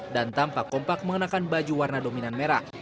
dan tampak kompak mengenakan baju warna dominan merah